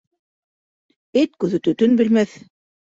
Эт күҙе төтөн белмәҫ.